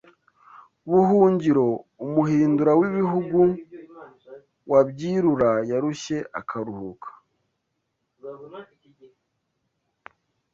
Buhungiro umuhindura w’ibihugu Wabyirura yarushye akaruhuka